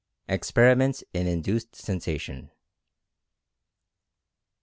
EXPERIMENTS IN INDUCED SENSATION.